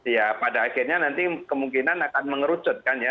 ya pada akhirnya nanti kemungkinan akan mengerucutkan ya